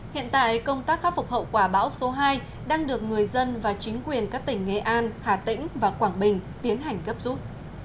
hiện tại công tác khắc phục hậu quả bão số hai đang được người dân và chính quyền các tỉnh nghệ an hà tĩnh và quảng bình tiến hành gấp rút